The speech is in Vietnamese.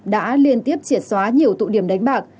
đã liên tiếp triệt xóa nhiều tụ điểm đánh bạc